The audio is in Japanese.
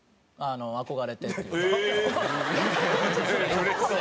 うれしそう。